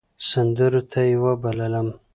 سندرو ته يې وبللم .